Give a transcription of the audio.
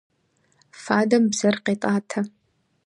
Фадэм бзэр къетӏатэ.